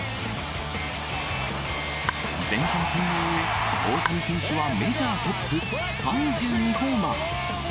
前半戦を終え、大谷選手はメジャートップ、３２ホーマー。